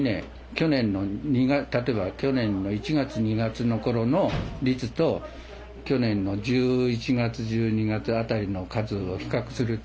去年の例えば１月２月の頃の率と去年の１１月１２月あたりの数を比較すると上がってます。